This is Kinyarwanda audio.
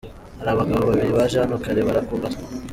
Hari abagabo babiri baje hano kare barakumbaza.